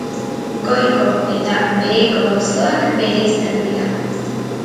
Goiko eta Beheko auzoak bereizten dira.